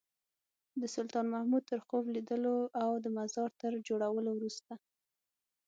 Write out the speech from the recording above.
د سلطان محمود تر خوب لیدلو او د مزار تر جوړولو وروسته.